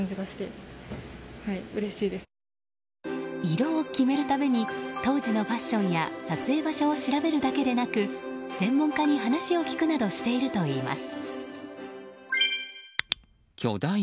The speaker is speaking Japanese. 色を決めるために当時のファッションや撮影場所を調べるだけでなく専門家に話を聞くなどしているといいます。